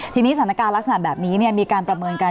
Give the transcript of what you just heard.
ทีนี้สถานการณ์ลักษณะแบบนี้มีการประเมินกัน